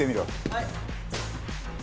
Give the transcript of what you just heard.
はい！